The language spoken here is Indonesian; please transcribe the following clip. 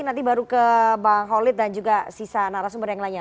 nanti baru ke bang holid dan juga sisa narasumber yang lainnya